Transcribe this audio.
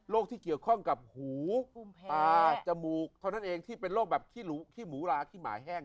ที่เกี่ยวข้องกับหูตาจมูกเท่านั้นเองที่เป็นโรคแบบขี้หมูลาขี้หมาแห้ง